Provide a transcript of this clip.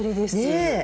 ねえ。